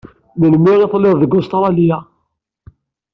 Melmi i telliḍ deg Ustṛalya?